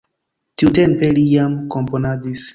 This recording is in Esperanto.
Tiutempe li jam komponadis.